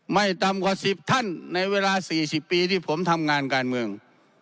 ไม่ต่ำกว่า๑๐ท่านในเวลา๔๐ปีที่ผมทำงานการเมือง